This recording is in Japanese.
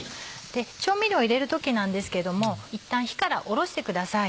調味料を入れる時なんですけれどもいったん火からおろしてください。